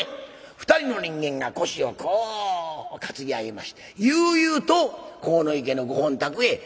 ２人の人間が輿をこう担ぎ上げまして悠々と鴻池のご本宅へやって参ります。